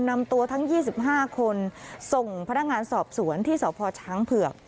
นำตัวทั้ง๒๕คนส่งพนักงานสอบสวนที่สพช้างเผือก